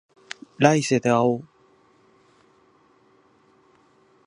来世で会おう